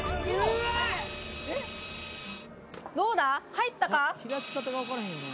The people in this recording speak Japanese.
入ったか？